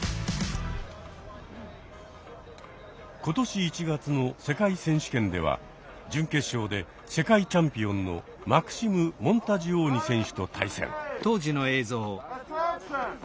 今年１月の世界選手権では準決勝で世界チャンピオンのマクシム・モンタジオーニ選手と対戦。